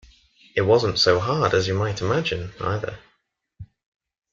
It wasn’t so hard as you might imagine, either.